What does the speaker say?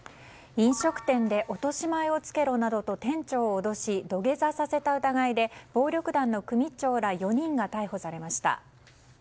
飲食店で落とし前をつけろなどと店長を脅し土下座させた疑いで暴力団の組長ら４人が逮捕されました。